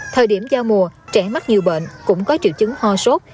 thời điểm giao mùa trẻ mắc nhiều bệnh cũng có triệu chứng ho sốt